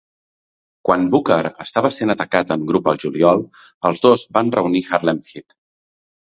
Quan Booker estava sent atacat en grup al juliol, els dos van reunir Harlem Heat.